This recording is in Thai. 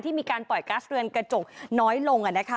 มีการปล่อยกัสเรือนกระจกน้อยลง